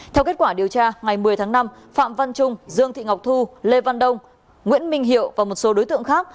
theo kết quả điều tra ngày một mươi tháng năm phạm văn trung dương thị ngọc thu lê văn đông nguyễn minh hiệu và một số đối tượng khác